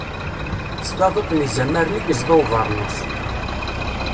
S taduṭ n yizamaren i yezḍa ubernus.